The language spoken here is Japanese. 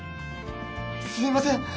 すみません！